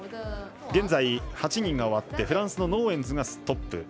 現在８人が終わってフランスのノーエンズがトップ。